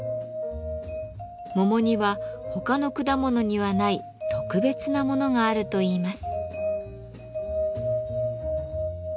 桃には他の果物にはない「特別なもの」があるといいます。